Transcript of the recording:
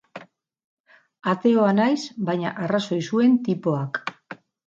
Ateoa naiz, baina arrazoi zuen tipoak.